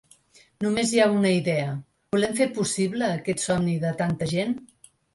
Només hi ha una idea: volem fer possible aquest somni de tanta gent?